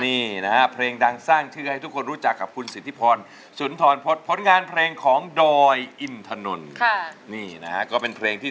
นี้เนาะเพลงดังสร้างชื่อให้ทุกคนรู้จักกับคุณสิรทิพรนศ์จุลธรพพดงานเพลงของดอยอินทธนนศ์ค่ะนี้น่าก็เป็นเกรงที่